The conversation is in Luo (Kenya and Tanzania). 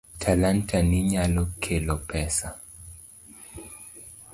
Talanta ni nyalo kelo pesa.